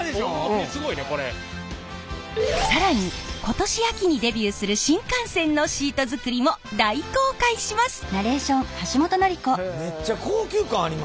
更に今年秋にデビューする新幹線のシート作りも大公開します！